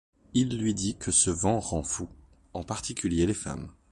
Il lui dit que ce vent rend fou, en particulier les femmes.